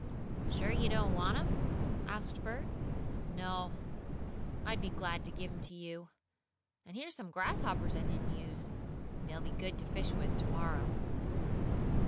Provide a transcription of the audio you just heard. "Sure you don't want them?" asked Bert. "No. I'd be glad to give 'em to you. And here's some grasshoppers I didn't use. They'll be good to fish with to morrow."